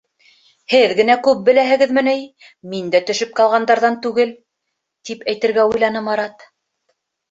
«Һеҙ генә күп беләһегеҙме ни, мин дә төшөп ҡалғандарҙан түгел» тип әйтергә уйланы Марат.